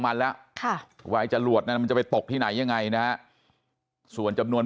มันแล้ววัยจรวดนั้นมันจะไปตกที่ไหนยังไงนะส่วนจำนวน